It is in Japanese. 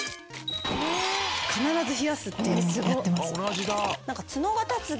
必ず冷やすっていうのやってます。